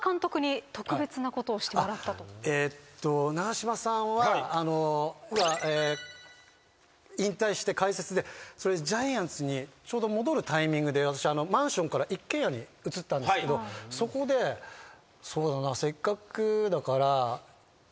長嶋さんは引退して解説でそれでジャイアンツにちょうど戻るタイミングで私マンションから一軒家に移ったんですけどそこでそうだなせっかくだから。